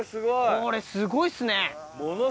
これすごいっすね。